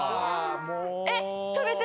えっ？